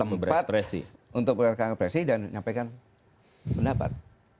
ada tempat untuk berpendapat dan nyampaikan pendapat